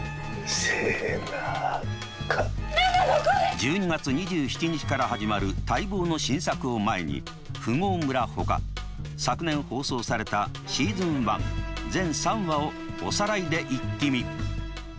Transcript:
１２月２７日から始まる待望の新作を前に「富豪村」ほか昨年放送されたシーズン１全３話をおさらいでイッキ見！